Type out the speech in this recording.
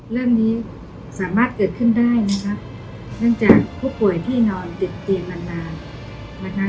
เรื่องนี้สามารถเกิดขึ้นได้นะครับเนื่องจากผู้ป่วยที่นอนติดเตียงนานนานนะคะ